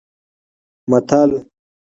متل